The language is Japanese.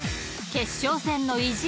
［決勝戦の意地！］